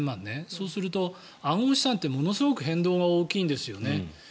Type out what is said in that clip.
そうすると、暗号資産ってものすごく変動が大きいんですよね。